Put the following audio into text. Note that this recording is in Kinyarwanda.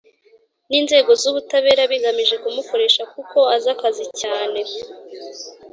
ninzego zubutabera bigamije kumukoresha kuko azi akazi cyane